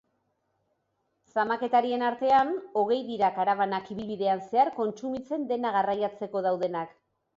Zamaketarien artean, hogei dira karabanak ibilbidean zehar kontsumitzen dena garriatzeko daudenak.